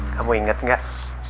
kamu inget gak